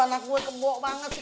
aduh anak gue kebok banget sih